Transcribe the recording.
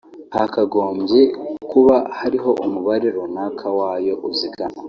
hakagombye kuba hariho umubare runaka w’ayo uzigama